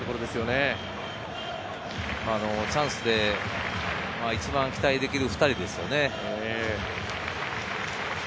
チャンスで一番期待できる２人ですよね。